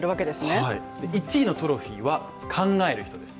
１位のトロフィーは考える人です。